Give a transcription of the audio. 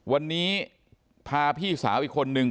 วันนี้พาพี่สาวอีกคนนึง